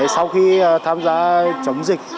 sau khi tham gia chống dịch